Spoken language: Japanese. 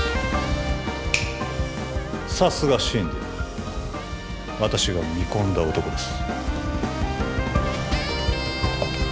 さすがシンディー私が見込んだ男です